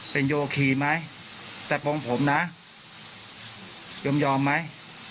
เป็นโยคีไหมแต่ปงผมนะยอมยอมไหม